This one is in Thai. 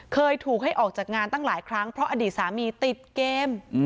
เคยถูกให้ออกจากงานตั้งหลายครั้งเพราะอดีตสามีติดเกม